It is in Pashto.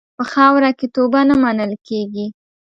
په خاوره کې توبه نه منل کېږي.